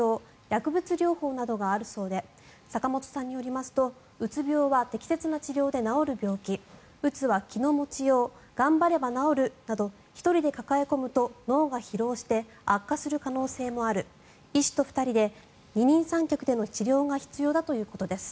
薬物療法などがあるそうで坂元さんによりますとうつ病は適切な治療で治る病気うつは気の持ちよう頑張れば治るなど１人で抱え込むと脳が疲労して悪化する可能性もある医師と２人で二人三脚での治療が必要だということです。